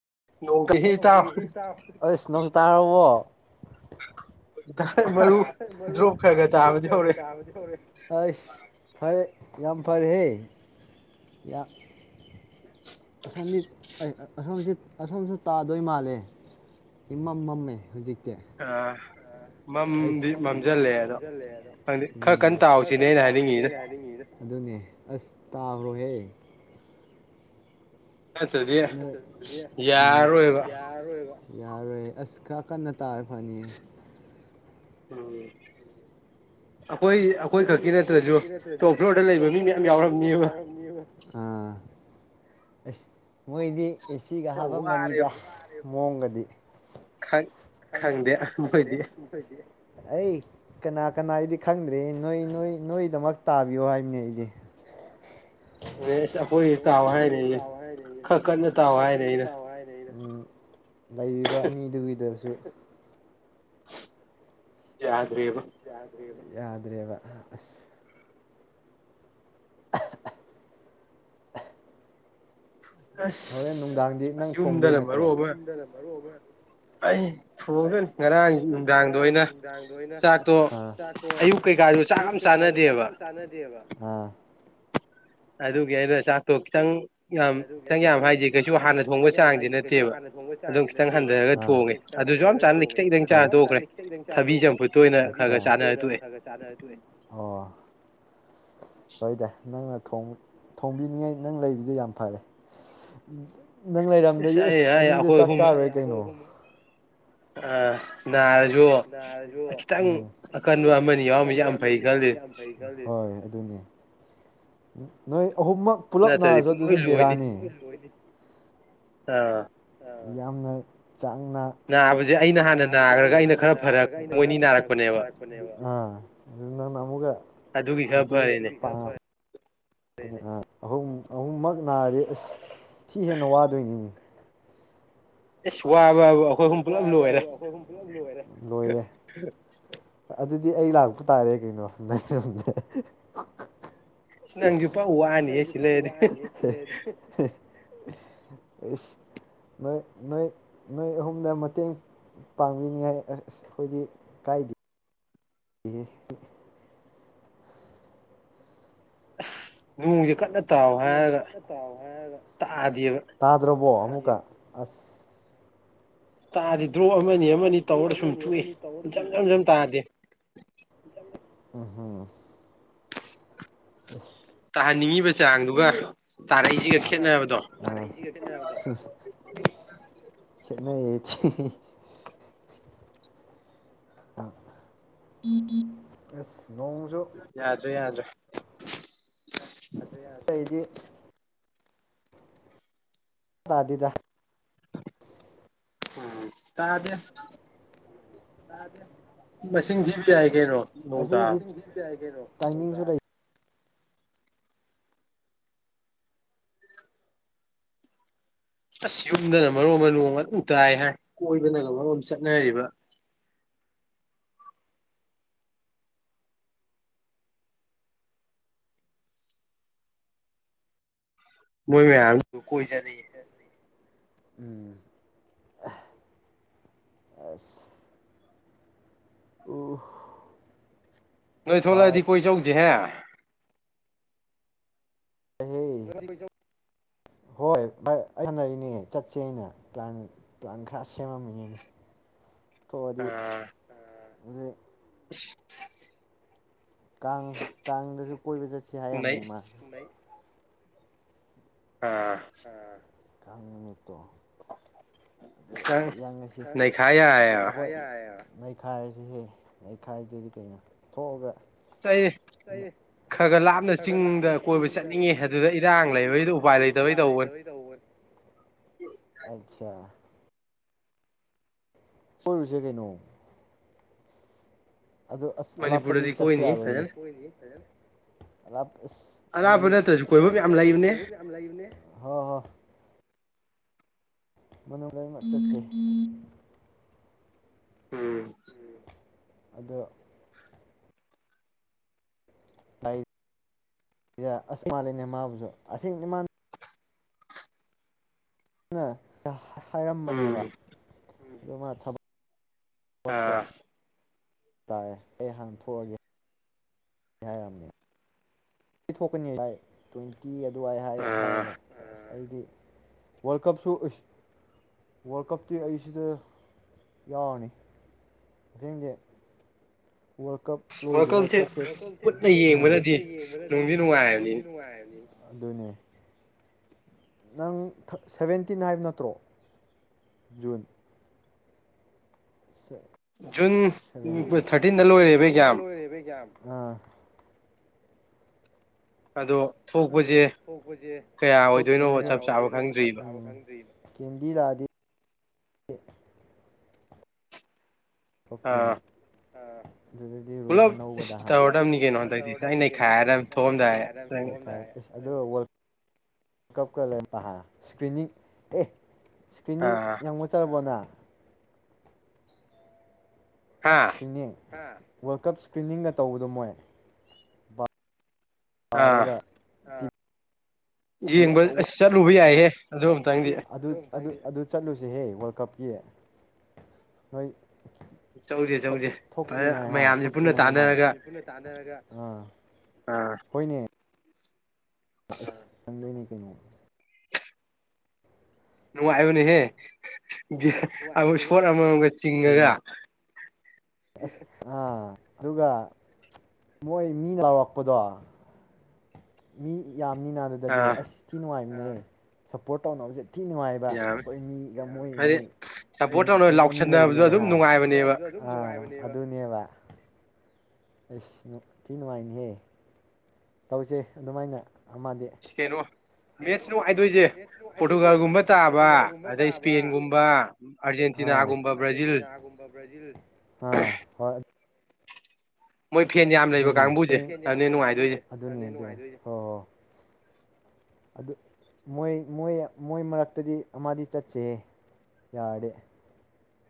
[unintelligible] ꯇꯥꯔꯕꯣ ꯃꯔꯨ ꯗꯣ ꯈꯒ ꯇꯥꯕꯗꯤ ꯍꯧꯔꯦ ꯑꯁ ꯐꯔꯦ ꯌꯥꯝ ꯐꯔꯦꯍꯦ ꯑꯁꯣꯃꯤ ꯑꯁꯣꯝꯁꯤ ꯑꯁꯣꯝꯁꯨ ꯇꯥꯗꯣꯏ ꯃꯥꯜꯂꯦ ꯏꯃꯝ ꯃꯝꯃꯦ ꯍꯧꯖꯤꯛ ꯑꯥ ꯑꯩ ꯃꯝꯗꯤ ꯃꯝꯁꯤꯜꯂꯦ ꯑꯗꯣ ꯎ ꯈꯔ ꯀꯟꯅ ꯇꯥꯎꯁꯤꯅꯦ ꯑꯩꯅ ꯍꯥꯏꯅꯤꯡꯉꯤꯗ ꯑꯗꯨꯅꯦ ꯑꯁ ꯇꯕ꯭ꯔꯣꯍꯦ ꯎꯝ ꯌꯥꯔ ꯑꯣꯏꯕ ꯌꯥꯔꯣꯏ ꯑꯁ ꯈꯔ ꯀꯟꯅ ꯇꯥꯔꯦ ꯐꯅꯤꯌꯦ ꯎꯝ ꯑꯩꯈꯣꯏ ꯑꯩꯈꯣꯏ ꯈꯛꯀꯤ ꯅꯠꯇ꯭ꯔꯁꯨ ꯇꯣꯞ ꯐ꯭ꯂꯣꯔꯗ ꯂꯩꯕ ꯃꯤ ꯌꯥꯝ ꯌꯥꯎꯔꯝꯅꯦꯕ ꯑꯁ ꯃꯣꯏꯗꯤ ꯑꯦꯁꯤꯒ ꯍꯥꯞꯄꯝꯕꯅꯤꯗ ꯃꯣꯡꯒꯗꯤ ꯈꯪ ꯈꯪ ꯈꯪꯗꯦꯗꯤꯦ ꯑꯩ ꯀꯅꯥ ꯀꯅꯥꯗꯤ ꯈꯪꯗ꯭ꯔꯦ ꯅꯣꯏ ꯅꯣꯏ ꯅꯣꯏꯒꯤꯗꯃꯛ ꯇꯥꯕꯤꯌꯣ ꯍꯥꯏꯕꯅꯤ ꯑꯩꯗꯤ ꯑꯦꯁ ꯍꯣꯏꯍꯦ ꯇꯥꯎ ꯍꯥꯏꯅꯦꯍꯦ ꯈꯔ ꯀꯟꯅ ꯇꯥꯎ ꯍꯥꯏꯅꯦ ꯑꯩꯅ ꯂꯩꯔꯤꯕ ꯑꯅꯤꯗꯨꯒꯤꯗꯁꯨ [inaudible] ꯌꯥ ꯌꯥꯗ꯭ꯔꯦꯕ ꯑꯁ ꯍꯣꯔꯦꯟ ꯅꯨꯡꯗꯥꯡꯗꯤ ꯅꯪ ꯊꯣꯡꯗꯣꯏ ꯅꯠꯇ꯭ꯔꯣ ꯌꯨꯝꯗꯅ ꯃꯔꯣꯜ ꯑꯃ ꯑꯩ ꯊꯣꯡꯈꯅꯤ ꯉꯔꯥꯡ ꯅꯨꯡꯗꯥꯡꯗ ꯑꯩ ꯆꯥꯛꯇꯣ ꯑꯌꯨꯛ ꯀꯩꯀꯥꯗ ꯆꯥꯛ ꯌꯥꯝ ꯆꯥꯅꯗꯦꯕ ꯑꯥ ꯑꯗꯨꯒꯤ ꯑꯩꯅ ꯆꯥꯛꯇꯣ ꯈꯤꯇꯪ ꯑꯗꯨꯒꯤꯗ ꯈꯤꯇꯪ ꯌꯥꯝ ꯈꯤꯇꯪ ꯌꯥꯝ ꯍꯥꯏꯁ ꯀꯩꯁꯨ ꯍꯥꯟꯅ ꯊꯣꯡꯕ ꯆꯥꯡꯗꯤ ꯅꯠꯇꯦꯕ ꯑꯗꯨ ꯈꯤꯇꯪ ꯍꯟꯊꯔꯒ ꯊꯣꯡꯉꯦ ꯑꯗꯨꯁꯨ ꯌꯥꯝ ꯆꯥꯟꯅ ꯈꯤꯇꯪ ꯈꯤꯇꯪ ꯆꯥꯅꯊꯣꯛꯈ꯭ꯔꯦ ꯊꯕꯤ ꯇꯣꯏꯅ ꯈꯔ ꯈꯔ ꯆꯥꯅꯔꯛꯑꯦ ꯍꯣꯏꯗ ꯅꯪ ꯊꯣꯡꯕꯤꯅꯤꯡꯉꯥꯏ ꯅꯪ ꯂꯩꯕꯗꯤ ꯌꯥꯝ ꯐꯔꯦ ꯅꯪ ꯂꯩꯔꯝꯗꯗꯤ ꯑꯦꯁ ꯑꯅꯤꯗꯣ ꯆꯥꯛ ꯆꯥꯔꯣꯏ ꯀꯩꯅꯣ ꯑꯔ [unintelligible] ꯅꯥꯔꯁꯨ ꯈꯤꯇꯪ ꯑꯀꯟꯕ ꯑꯃꯅꯤ ꯌꯥꯎꯕ ꯌꯥꯝ ꯐꯩ ꯈꯜꯂꯤ ꯅꯣꯏ ꯑꯍꯨꯝꯃꯛ ꯄꯨꯂꯞ ꯅꯥꯔꯁꯨ ꯑꯗꯨꯁꯨ ꯕꯦꯔꯥꯅꯤ ꯑꯥ [unintelligible] ꯆꯥꯡ ꯅꯥ ꯅꯥꯕꯁꯦ ꯑꯩꯅ ꯍꯥꯟꯅ ꯅꯥꯈ꯭ꯔꯒ ꯑꯩꯅ ꯈꯔ ꯐꯔ ꯇꯔꯛꯄꯅꯦꯕ ꯑ ꯑꯗꯨ ꯅꯪꯅ ꯑꯃꯨꯛꯀ ꯃꯇꯦꯡ ꯑꯗꯨꯒꯤ ꯄꯥꯡ ꯑꯍꯨꯝ ꯑꯍꯨꯝꯃꯛ ꯅꯥꯔꯗꯤ ꯑꯁ ꯊꯤ ꯍꯦꯟꯅ ꯋꯥꯗꯣꯏꯅꯤꯅꯦ ꯑꯁ ꯋꯥꯕꯕ ꯑꯩꯈꯣꯏ ꯑꯍꯨꯝ ꯄꯨꯂꯞ ꯂꯣꯏꯔꯦ ꯂꯣꯏꯔꯦ ꯑꯗꯨꯗꯤ ꯑꯩ ꯂꯥꯛꯄ ꯇꯥꯔꯦ ꯀꯩꯅꯣ ꯅꯪꯁꯨ ꯄꯥꯎ ꯋꯥꯅꯤ ꯁꯤ ꯂꯩꯔꯗꯤ ꯅ ꯅꯣꯏ ꯅꯣꯏ ꯑꯍꯨꯝꯅ ꯃꯇꯦꯡ ꯄꯥꯡꯕꯤꯅꯤꯡꯉꯥꯏ ꯑ ꯑꯩꯈꯣꯏꯗꯤ ꯀꯥꯏꯗꯦ ꯍ ꯅꯣꯡꯁꯦ ꯀꯟꯅ ꯇꯥꯗ꯭ꯔꯣꯕꯣ ꯑꯃꯨꯛꯀ ꯑꯁ ꯇꯔ [unintelligible] ꯗ꯭ꯔꯣꯞ ꯑꯃꯅꯤ ꯑꯃꯅꯤ ꯇꯧꯔ ꯁꯨꯝ ꯊꯣꯛꯏ ꯖꯝ ꯖꯝ ꯖꯝ ꯇꯥꯗꯦ ꯎꯝꯝ ꯇꯥꯍꯟꯅꯤꯡꯉꯤꯕ ꯆꯥꯡꯗꯨꯒ ꯈꯦꯟꯅꯩ ꯑ ꯏ ꯏ ꯑꯁ [unintelligible] ꯅꯣꯡꯖꯨ ꯑꯩꯇꯩꯗꯤ ꯇꯥꯗꯦꯗ ꯑ ꯊꯥꯗꯦ ꯇꯥꯗꯦ ꯃꯁꯤꯡ ꯊꯤꯕ ꯌꯥꯏ ꯀꯩꯅꫭ ꯑꯁꯤ ꯃꯁꯤꯡ ꯊꯤꯕ ꯌꯥꯏ ꯀꯩꯅꯣ ꯇꯥꯏꯃꯤꯡꯁꯨ ꯂꯩ ꯑꯁ ꯌꯨꯝꯗꯅ ꯃꯔꯣ ꯑꯃ ꯅꯣꯡꯃ ꯎ ꯇꯥꯏ ꯍꯥꯏ ꯀꯣꯏꯕꯅꯒ ꯃꯔꯣ ꯆꯠꯅꯔꯤꯕ ꯃꯣꯏ ꯃꯌꯥꯝ ꯎꯕꯗ ꯀꯣꯏ ꯆꯠꯅꯤꯡꯏ ꯎꯝ ꯑꯁ ꯅꯣꯏ ꯊꯣꯂꯥꯏꯗꯤ ꯀꫭꯏ ꯆꯠꯂꯨꯁꯦ ꯌꯥꯗꯦꯍꯦ ꯍꯣꯏ ꯚꯥꯏ ꯑꯩ ꯍꯪꯅꯔꯤꯅꯦ ꯆꯠꯁꯦꯅ ꯄ꯭ꯂꯥꯟ ꯄ꯭ꯂꯥꯟ ꯈꯔ ꯁꯦꯝꯃꯝꯃꯤꯅꯦꯅꯦ ꯑꯥ ꯑꯗꯨ [unintelligible] ꯀꯥꯡ ꯀꯥꯡꯗꯁꯨ ꯀꯣꯏꯕ ꯆꯠꯁꯤ ꯍꯥꯏꯔꯝꯃꯤ ꯃꯥ ꯑꯥ ꯀꯥꯡ ꯅꯨꯃꯤꯠ ꯑꯗꫭ ꯌꯥꯡꯉꯁꯤ ꯈꯔ ꯅꯩꯈꯥꯏ ꯌꯥꯔꯦꯅ ꯅꯩꯈꯥꯏꯔꯁꯤ ꯁꯦ ꯂꯩꯩꯈꯥꯏꯗꯗꯤ ꯀꯩꯅꯣ ꯊꯣꯛꯑꯒ ꯑꯩ ꯈꯔ ꯈꯔ ꯂꯥꯞꯅ ꯆꯤꯡꯗ ꯀꯣꯏꯕ ꯆꯠꯅꯤꯡꯉꯦ ꯑꯗꯨꯗ ꯑꯩ ꯆꯠꯅꯤꯡ ꯎꯄꯥꯏ ꯂꯩꯇꯕꯩ ꯇꯧꯕꯅꯤ ꯑꯁꯥ ꯀꫭꯏꯔꯨꯁꯦ ꯀꯩꯅꯣ ꯑꯗꯨ ꯑꯁ ꯑꯂꯥꯞꯄꯗꯤ ꯆꯠꯄ ꯌꯥꯔꯣꯏꯅꯦ ꯑꯂꯞ ꯑꯁ ꯑꯩꯗꯤ ꯑꯂꯞꯄ ꯅꯠꯇ꯭ꯔꯁꯨ ꯀꯣꯏꯕꯝ ꯌꯥꯝ ꯂꯩꯕꯅꯦ ꯍꯦ ꯍꯣꯏ ꯃꯗꫭ ꯅꯪꯒ ꯆꯠꯁꯦ ꯎꯝ ꯑꯗꯣ ꯑꯁ ꯃꯥꯜꯂꯤꯅꯦ ꯃꯥꯕꯨꯁꯨ ꯑꯁꯦꯡꯅꯦꯃ ꯍꯥꯏꯔꯝꯕꯅꯦꯕ ꯑꯗꯨ ꯃꯥ ꯊꯕꯛ ꯑꯥ ꯇꯥꫪꯦ ꯑꯩ ꯍꯥꯟꯊꫭꯑꯒꯦ ꯌꯥꯔꯝꯅꯤ ꯊꫭꯛꯇꯤ ꯊꯣꯛꯀꯅꯤ ꯇ꯭ꯋꯦꯟꯇꯤ ꯑꯗꯨꯋꯥꯏ ꯍꯥꯏꯌꯦꯕ ꯑꯩꯗꯤ ꯋꯥꯜ ꯀꯞꯁꯨ ꯋꯥꯜ ꯀꯞꯇꯤ ꯑꯩ ꯁꯤꯗ ꯌꯥꯎꯔꯅꯤ ꯑꯦꯡꯗꯤ ꯋꯥꯔꯜ ꯀꯞ ꯂꯣꯏꯗꯉꯥꯏ ꯊꯣꯛꯁꯦ ꯎ ꯌꯦꯡꯕꯅꯗꯤꯅꯨꯡꯗꯤ ꯅꯨꯡꯉꯥꯏꯕꯅꯤ ꯑꯗꯨꯅꯤ ꯅꯪ ꯁꯚꯦꯟꯇꯤꯟ ꯍꯥꯏꯕ ꯅꯠꯇ꯭ꯔꯣ ꯌꯖꯨꯟ ꯁꯦ ꯊꯥꯔꯇꯤꯟꯗ ꯂꯣꯏꯔꯦꯕꯒꯌꯥꯝ ꯑꯥ ꯑꯗꯣ ꯑ ꯊꯣꯛꯄꯁꯦ ꯊꯣꯛꯇ꯭ꯔꯤꯉꯩꯗ꯭ꯔꯤ ꯀꯦꯟꯗꯤ ꯇꯥꯛꯑꯗꯤ ꯍ ꯊꯣꯛꯛꯇꯅꯦ ꯑꯗꯨꯗꯤ ꯔꯨꯝ ꯑꯅꯧꯕꯗ ꯇꯧꯔꯗꯕꯅꯤ ꯀꯩꯅꯣ ꯈꯥꯏ ꯑꯗꯣ ꯋꯥ ꯀꯀ ꯂꯩ ꯏꯁꯀ꯭ꯔꯤꯅꯤꯡ ꯑꯦ ꯏꯁꯀ꯭ꯔꯤꯅꯤꯡ ꯌꯥꯝꯡꯉꯆꯔꯕꯣꯅ ꯏꯁꯀꯅꯤ ꯋꯥꯔꯜ ꯀꯞ ꯏꯁꯀ꯭ꯔꯤꯅꯤꯡꯒ ꯇꯧꯕꯗꯣ ꯃꯣꯏ ꯄꯥꯒ ꯌꯦ ꯆꯠꯨꯕꯤꯌꯦꯦ ꯑꯗꯨꯝ ꯇꯪꯗ ꯑꯗꯨ ꯑꯗꯨ ꯆꯠꯂꯨꯁꯍꯦ ꯋꯥꯔꯜ ꯀꯞꯀꯤ ꯅꯣꯏ ꯊꯣꯛꯇ꯭ꯔꯤꯉꯥꯏ ꯍꯥ ꯊꯣꯛꯇ꯭ꯔꯤꯉꯩ ꯃꯃꯥ ꯑꯥ ꯍꯣꯏꯅꯦ ꯑꯁ ꯆꯪꯗꯣꯏꯅꯦ ꯀꯩꯅꯣ ꯅꯅꯨꯡ ꯑꯨꯅꯤꯍꯦ ꯑꯃ ꯁꯣꯠ ꯑꯃꯃꯝꯒ ꯆꯤꯡꯉꯒ ꯑꯥ ꯑꯗꯨꯒ ꯃꯣꯏ ꯃꯤꯅ ꯂꯥꯎꯔꯛꯄꯗꯣ ꯃꯤ ꯌꯥꯝ ꯅꯥ ꯑꯗꯨꯗꯗꯤ ꯑꯁ ꯊꯤ ꯅꯨꯡꯉꯥꯏꯕ ꯁꯄꯣꯠꯧꯅ ꯍꯧꯖꯤꯦ ꯊꯤ ꯅꯨꯡꯉꯥꯏꯕ ꯑꯩꯈꯣꯏ ꯃꯤ ꯉꯃꯣꯏ ꯃꯤ ꯇꯤꯝ ꯑꯅꯤ ꯂꯩꯕꯅꯤꯅ ꯑꯗꯨ ꯅꯦꯦꯕ ꯑꯦꯁ ꯊꯤ ꯅꯨꯡꯉꯥꯏꯅꯤꯍꯦ ꯇꯧꯁꯦ ꯑꯗꯨꯃꯥꯏꯅ ꯀꯩꯅꯣ ꯃꯦꯠꯁꯅꯅꯨꯡ ꯍꯥꯏꯗꯣꯏꯁꯦ ꯄꯣꯔꯇꯨꯒꯥꯜꯒꯨꯝꯕ ꯇꯥꯕ ꯑꯗꯩ ꯏꯁꯄꯦꯟꯒꯨꯝꯕ ꯍ ꯐꯖꯩ ꯐꯖꯩ ꯑꯔꯖꯦꯟꯇꯤꯅꯥꯒꯨꯝꯕ ꯕ꯭ꯔꯥꯖꯤꯜ ꯑ ꯍꯣꯏ ꯑꯗꯨꯅꯦ ꯑꯗꯨꯅꯦ ꯍꯣ ꯍꯣꯏ ꯑꯗꯨ ꯃꯣꯏ ꯃꯣꯏ ꯃꯣꯏ ꯃꯔꯛꯇꯗꯤ ꯑꯃꯗꯤ ꯆꯠꯁꯦꯍꯦ ꯌꯥꯔꯗꯤ꯫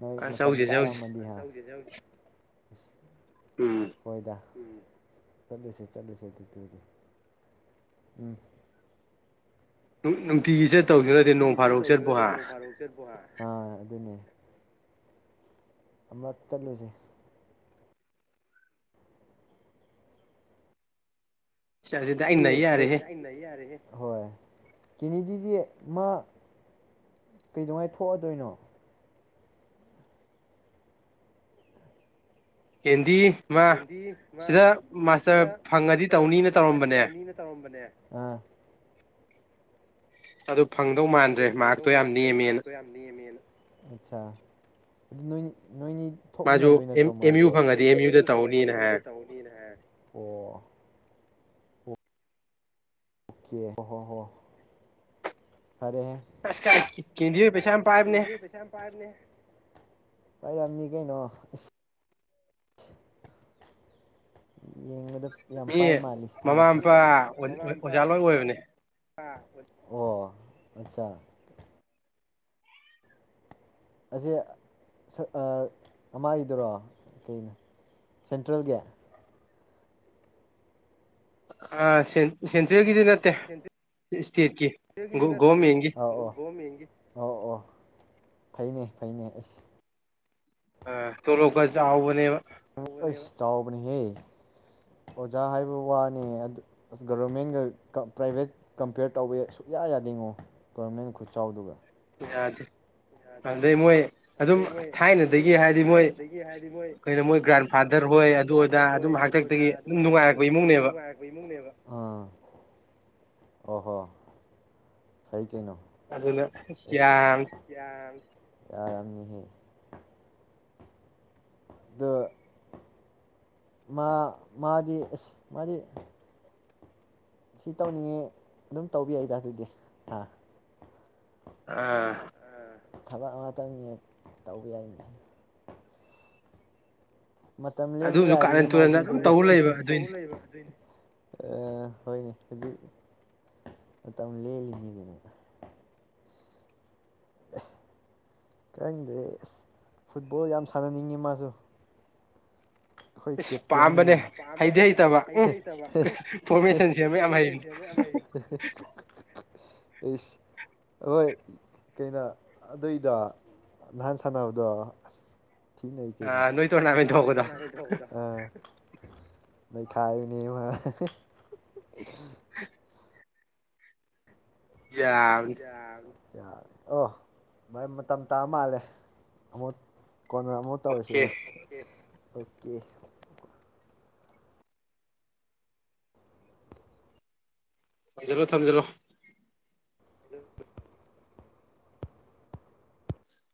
ꯅꯣꯏ ꯃꯇꯝ ꯆꯥꯔꯝ ꯃꯗꯤ ꯍꯥ ꯍꯣꯏꯗ ꯎꯝ ꯆꯠꯂꯨꯁꯦ ꯆꯠꯂꯨꯁꯦ ꯑꯗꯨꯗ ꯑꯣꯏꯗꯤ ꯎꯝ [inaudible] ꯅꯨꯡꯇꯤꯒꯤ ꯆꯠꯇꯧꯁꯨ ꯅꯠꯇꯦ ꯅꯣꯡꯐꯥꯗꯣꯛ ꯆꯠꯄꯨ ꯍꯥ ꯑ ꯑꯗꯨꯅꯦ꯫ ꯑꯃ ꯆꯠꯂꯨꯁꯦ꯫ [unintelligible] ꯑꯩ ꯅꯩ ꯌꯥꯔꯦꯍꯦ꯫ ꯍꯣꯏ ꯀꯦꯅꯤꯗꯤꯗꯤ ꯃꯥ ꯀꯩꯗꯧꯉꯥꯏ ꯊꯣꯛꯑꯗꯣꯏꯅꯣ ꯀꯦꯟꯗꯤ ꯀꯦꯟꯗꯤ ꯃꯥ ꯁꯤꯗ ꯃꯥꯁꯇꯔ ꯐꯪꯉꯗꯤ ꯇꯧꯅꯤꯅ ꯇꯧꯔꯝꯕꯅꯦ꯫ ꯑꯥ ꯑꯗꯨ ꯑꯗꯨ ꯐꯪꯗꯧ ꯃꯥꯟꯗ꯭ꯔꯦ ꯃꯍꯥꯛꯇꯣ ꯌꯥꯝ ꯅꯦꯝꯃꯦꯅ꯫ ꯑꯁꯆꯥ ꯑꯗꯨ ꯅꯣꯏ ꯅꯣꯏꯅꯤ ꯊꯣꯛꯃꯤꯟꯅꯗꯣꯏ ꯅꯠꯇ꯭ꯔꯣ ꯃꯁꯨ ꯑꯦꯝ ꯌꯨ ꯐꯪꯉꯗꯤ ꯑꯦꯝ ꯌꯨꯗ ꯇꯧꯅꯤꯅ ꯍꯥꯏꯌꯦ ꯑꯣ꯫ ꯀꯤ ꯍꯍ ꯍ ꯀꯥꯏ ꯀꯦꯟꯗꯤ ꯄꯩꯁꯥ ꯌꯥꯝ ꯄꯥꯏꯕꯅꯦꯍꯦ꯫ ꯄꯥꯏꯔꯝꯅꯤ ꯀꯩꯅꯣ꯫ ꯃꯤ ꯃꯃꯥ ꯃꯄꯥ ꯑꯣꯖꯥ ꯂꯣꯏ ꯑꯣꯏꯕꯅꯦ꯫ ꯑꯣ ꯑꯆꯥ ꯑꯁꯤꯁ ꯑꯃꯗꯨꯔꯣ ꯀꯩꯩꯅꯣ ꯁꯦꯟꯇ꯭ꯔꯦꯜꯒꯤ ꯑ ꯁꯦꯟ ꯁꯦꯟꯇ꯭ꯔꯦꯜꯒꯤꯗꯤ ꯅꯠꯇꯦ ꯇꯁ ꯁꯦꯟꯇ꯭ꯔꯦꯜ ꯒꯤꯗꯤ ꯅꯠꯇꯦ ꯑꯣ ꯑꯣ ꯒꯣ ꯒꯣꯃꯦꯟꯒꯤ ꯑꯣ ꯑꯣ꯫ ꯐꯩꯅꯦ ꯐꯩꯅꯦ ꯑꯦꯁ ꯑ ꯇꯣꯂꯣꯞ ꯀꯥ ꯆꯥꯎꯕ-' ꯑꯖ ꯆꯥꯎꯕꯅꯤꯍꯦ꯫ ꯑꯣꯖꯥ ꯍꯥꯏꯕ ꯋꯥꯅꯦ ꯑꯁ ꯒꯕꯔꯃꯦꯟꯒ ꯄ꯭ꯔꯥꯏꯚꯦꯠ ꯀꯝꯄꯤꯌꯔ ꯇꯧꯕ ꯁꯨꯛꯌꯥ ꯌꯥꯗꯉꯣ ꯒꯕꯔꯃꯦꯟ ꯈꯨꯠꯆꯥꯎꯗꯨꯒ꯫ ꯌꯥꯗꯦ ꯑꯗꯩ ꯃꯣꯏ ꯑꯗꯩ ꯃꯣꯏ ꯑꯗꯨꯝ ꯊꯥꯏꯅꯗꯒꯤ ꯍꯥꯏꯗꯤ ꯃꯣꯏ ꯀꯩꯅꯣ ꯃꯣꯏ ꯒ꯭ꯔꯥꯟ ꯐꯥꯗꯔ ꯍꯣꯏ ꯑꯗꯨ ꯑꯗꯥ ꯑꯗꯨꯝ ꯍꯥꯛꯇꯛꯇꯒꯤ ꯑꯗꯨꯝ ꯅꯨꯡꯉꯥꯏꯔꯛꯄ ꯏꯃꯨꯡꯅꯦꯕ, ꯑ ꯫ ꯑꯣꯍꯣ ꯍꯩꯠ ꯀꯩꯅꯣ ꯑꯖ ꯀꯩꯅꯣ ꯌꯥ ꯌꯥꯔꯝꯅꯤ꯫ ꯎꯝ ꯑꯗꯨ ꯃꯥꯗꯤ ꯃꯥꯗꯤ ꯁꯤ ꯇꯧꯅꯤꯡꯉꯦ ꯑꯗꯨꯝ ꯇꯧꯕꯤ ꯑꯩꯏꯗ ꯑꯗꯨꯗꯤ ꯑꯥ ꯑꯥ ꯊꯕꯛ ꯉꯥꯛꯇꯪꯅꯤ ꯇꯧꯕ ꯌꯥꯏꯅꯦ ꯃꯇꯝ ꯂꯦꯟꯕ ꯌꯥꯔꯤꯌꯦ ꯃꯥꯗꯤꯗꯤ ꯍꯣꯏꯅꯦ ꯑꯗꯨ ꯃꯇꯝ ꯂꯦꯜꯂꯤꯉꯩꯗꯅ [unintelligible] ꯈꯪꯗꯤ ꯐꯨꯠꯕꯣꯜ ꯌꯥꯝ ꯁꯥꯟꯅꯅꯤꯡꯉꯤ ꯃꯥꯁꯨ ꯑꯩꯈꯣꯏ ꯀꯦꯞꯇꯦꯟ ꯂꯩꯔꯤꯅꯣ ꯄꯥꯝꯕꯅꯦ ꯍꯩꯇ ꯍꯩꯇꯕ ꯄ꯭ꯔꯣꯐꯦꯁꯟ ꯁꯦꯝꯕ ꯌꯥꯝ ꯍꯩ ꯍꯣꯏ ꯀꯩꯅꯣ ꯑꯗꯨꯏꯗ ꯅꯍꯥꯟ ꯁꯥꯟꯅꯕꯗꯣ ꯑ ꯑ ꯅꯣꯏ ꯇꯣ ꯅꯃꯦꯟ ꯊꯣꯀꯄꯥꯗꯣ ꯑꯥ ꯅ ꯈꯥꯏ ꯕꯅꯦ ꯃꯅꯥ [unintelligible] ꯌꯥꯕꯅꯦ ꯌꯥ ꯑꯣ ꯚꯥꯏ ꯃꯇꯝ ꯇꯥ ꯃꯥꯜꯂꯦ ꯊꯝꯃꯣ ꯀꯣꯟꯅ ꯑꯃꯨꯛ ꯇꯧꯁꯤ ꯑꯣꯀꯦ ꯊꯤꯖꯤꯜꯂꯣ ꯊꯝꯖꯜꯂꯣ [unintelligible]